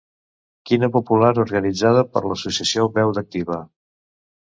Quina popular organitzada per l'Associació Veu d'Activa.